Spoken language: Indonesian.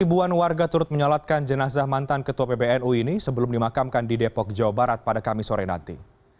ribuan warga turut menyolatkan jenazah mantan ketua pbnu ini sebelum dimakamkan di depok jawa barat pada kamis sore nanti